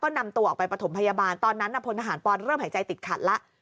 นำตัวออกไปประถมพยาบาลตอนนั้นพลทหารปอนเริ่มหายใจติดขัดแล้ว